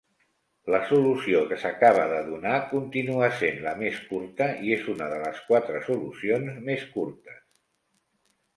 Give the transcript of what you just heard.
La solució que s'acaba de donar continua sent la més curta i és una de les quatre solucions més curtes.